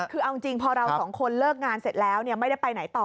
คือเอาจริงพอเราสองคนเลิกงานเสร็จแล้วไม่ได้ไปไหนต่อ